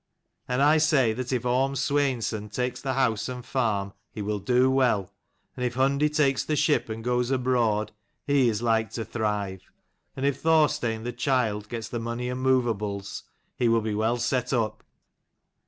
And I say that if Orm Sweinson takes the house and farm, he will do well : and if Hundi takes the ship and goes abroad, he is like to thrive : and if Thorstein the child gets the money and movables, he will be well set up."